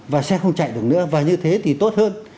và xe không chạy được nữa và như thế thì tốt hơn